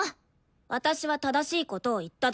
私は正しいことを言っただけよ。